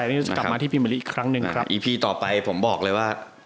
อันนี้เราจะกลับมาที่ใหม่หนึ่งครั้งหนึ่งครับอีพีต่อไปผมบอกเลยว่า